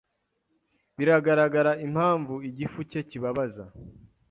Biragaragara impamvu igifu cye kibabaza.